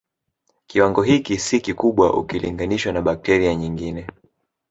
Kiwango hiki si kikubwa ukilinganishwa na bakteria nyingine